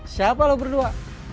siapa lo berdua